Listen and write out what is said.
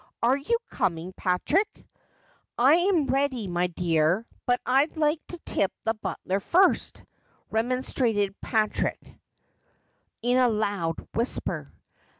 ' Are you coming, Patrick ?'' I am ready, my dear, but I'd like to tip the butler furrst,' remonstrated Patrick, in a loud whisper.